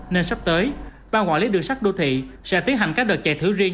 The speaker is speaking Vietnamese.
nên sắp tới ban quản lý đường sắt đô thị sẽ tiến hành các đợt chạy thử riêng